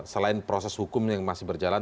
selain proses hukum yang masih berjalan